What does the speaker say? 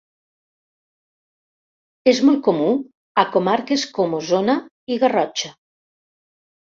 És molt comú a comarques com Osona i Garrotxa.